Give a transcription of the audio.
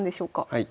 はい。